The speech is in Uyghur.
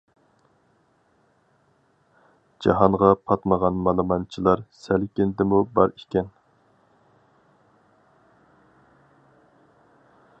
جاھانغا پاتمىغان مالىمانچىلار سەلكىن دىمۇ بار ئىكەن.